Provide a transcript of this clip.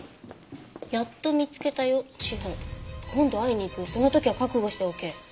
「やっと見つけたよ詩帆」「今度逢いに行くその時は覚悟しておけ」